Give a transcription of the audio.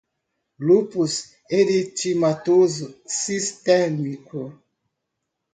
Lupus Eritematoso Sistémico